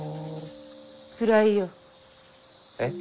暗いよ。えっ？